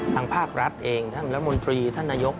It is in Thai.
ทางภาครัฐเองท่านรัฐมนตรีท่านนายก